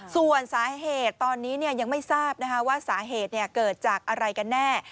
ส่วนสาเหตุตอนนี้เนี่ยยังไม่ทราบนะคะว่าสาเหตุเนี่ยเกิดจากอะไรกันแน่